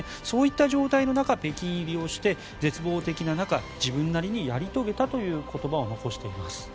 そういった状態の中北京入りをして、絶望的な中自分なりにやり遂げたという言葉を残しています。